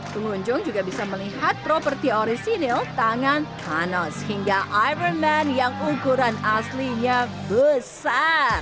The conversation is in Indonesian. pengunjung juga bisa melihat properti orisinil tangan thanos hingga ironman yang ukuran aslinya besar